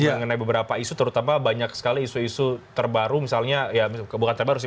mengenai beberapa isu terutama banyak sekali isu isu terbaru misalnya ya bukan terbaru sih